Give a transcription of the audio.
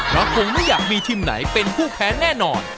เพราะคงไม่อยากมีทีมไหนเป็นผู้แพ้แน่นอน